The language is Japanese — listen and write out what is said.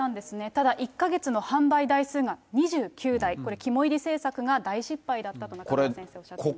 ただ、１か月の販売台数が２９台、これ、肝煎り政策が大失敗だったと中村先生はおっしゃっています。